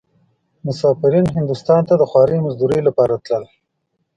مسافرين هندوستان ته د خوارۍ مزدورۍ لپاره تلل.